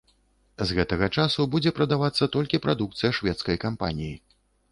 З гэтага часу будзе прадавацца толькі прадукцыя шведскай кампаніі.